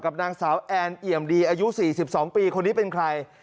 นางสาวแอนเอี่ยมดีอายุ๔๒ปีคนนี้เป็นใคร